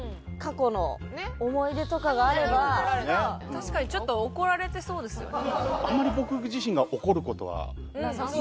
確かにちょっと怒られてそうですよね。